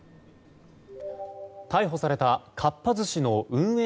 逮捕されたかっぱ寿司の運営